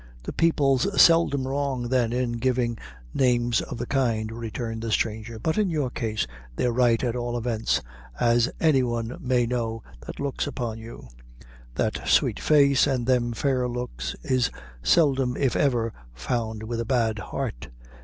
"The people's seldom wrong, then, in givin' names o' the kind," returned the stranger; "but in your case, they're right at all events, as any one may know that looks upon you: that sweet face an' them fair looks is seldom if ever found with a bad heart.